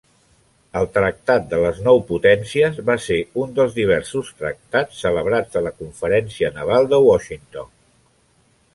El Tractat de les Nou Potències va ser un dels diversos tractats celebrats a la Conferència Naval de Washington.